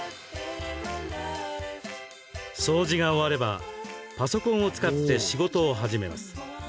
掃除が終わればパソコンを使って仕事を始めます。